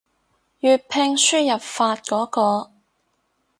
粵拼輸入法嗰個